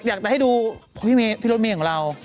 อยากได้ให้ดูพี่เร็วดเมแลของเรา